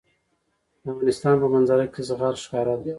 د افغانستان په منظره کې زغال ښکاره ده.